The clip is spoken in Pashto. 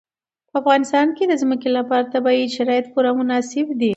په افغانستان کې د ځمکه لپاره طبیعي شرایط پوره مناسب دي.